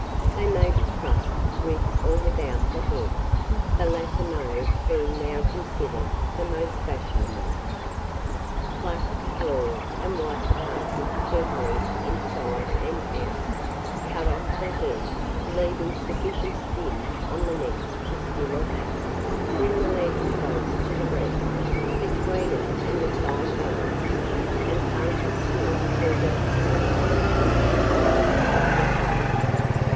They may be trussed with or without the head, the latter mode being now considered the most fashionable. Pluck, draw, and wipe the partridge carefully inside and out; cut off the head, leaving sufficient skin on the neck to skewer back; bring the legs close to the breast, between it and the side bones, and pass a skewer through the pinions and the thick part of the thighs.